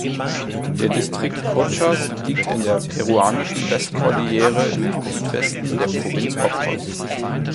Der Distrikt Cochas liegt in der peruanischen Westkordillere im Südwesten der Provinz Ocros.